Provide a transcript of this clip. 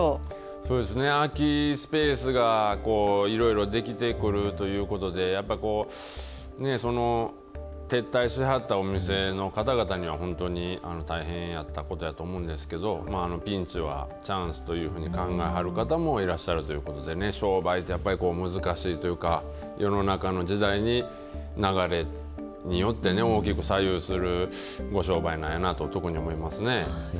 そうですね、空きスペースがいろいろ出来てくるということで、やっぱこう、撤退しはったお店の方々には、本当に大変やったことやと思うんですけど、ピンチはチャンスというふうに考えはる方もいらっしゃるということでね、商売ってやっぱり難しいというか、世の中の時代に、流れによってね、大きく左右するご商売なんやなと、特に思いますね。